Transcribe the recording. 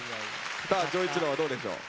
さあ丈一郎はどうでしょう？